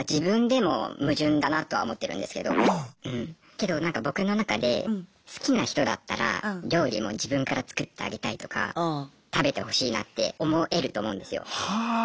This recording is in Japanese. けどなんか僕の中で好きな人だったら料理も自分から作ってあげたいとか食べてほしいなって思えると思うんですよ。